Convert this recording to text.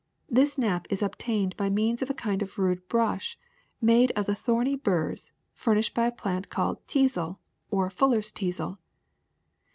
This nap is ob tained by means of a kind of rude brush made of the thorny burs furnished by a plant called teazel, or fullers' teazel.